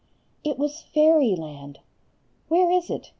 It was Fairyland. Where is it?